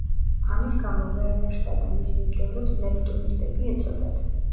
ამის გამო ვერნერსა და მის მიმდევრებს ნეპტუნისტები ეწოდათ.